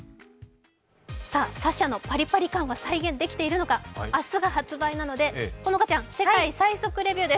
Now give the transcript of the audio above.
紗々のパリパリ感は再現できているのか、明日が発売なので、好花ちゃん、世界最速デビューです。